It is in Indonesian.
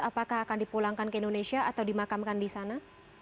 apakah akan dipulangkan ke indonesia atau dimakamkan di sana